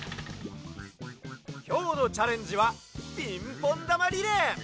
きょうのチャレンジはピンポンだまリレー！